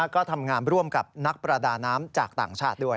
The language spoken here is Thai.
ก็ทำงานร่วมกับนักประดาน้ำจากต่างชาติด้วย